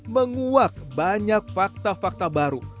menguak banyak fakta fakta baru